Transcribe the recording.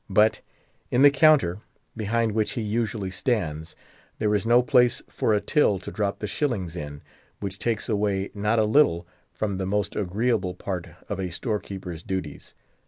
But in the counter, behind which he usually stands, there is no place for a till to drop the shillings in, which takes away not a little from the most agreeable part of a storekeeper's duties.